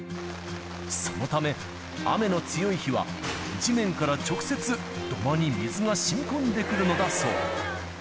そのため、雨の強い日は地面から直接、土間に水がしみこんでくるのだそう。